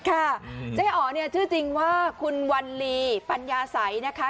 เจ๊อ๋อเนี่ยชื่อจริงว่าคุณวันลีปัญญาสัยนะคะ